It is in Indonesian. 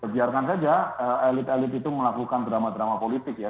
biarkan saja elit elit itu melakukan drama drama politik ya